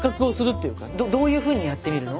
どういうふうにやってみるの？